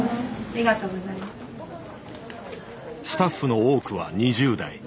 スタッフの多くは２０代。